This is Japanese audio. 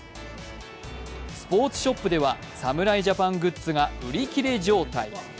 スポーツショップでは、侍ジャパングッズが売り切れ状態。